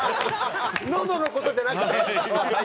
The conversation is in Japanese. のどの事じゃなくて？